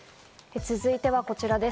続いてはこちらです。